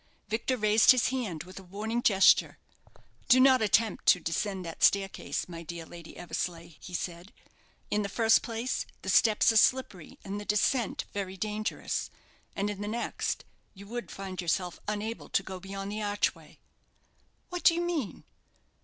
Victor raised his hand with a warning gesture. "Do not attempt to descend that staircase, my dear Lady Eversleigh," he said. "In the first place, the steps are slippery, and the descent very dangerous; and, in the next, you would find yourself unable to go beyond the archway." "What do you mean?"